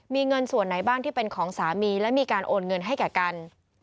มีเงินส่วนไหนบ้างที่เป็นของสามีและมีการโอนเงินให้แก่กัน